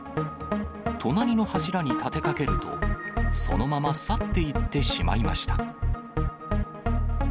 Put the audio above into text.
隣の柱に立てかけると、そのまま去っていってしまいました。